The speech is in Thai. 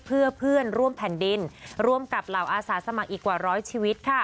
เพื่อเพื่อนร่วมแผ่นดินร่วมกับเหล่าอาสาสมัครอีกกว่าร้อยชีวิตค่ะ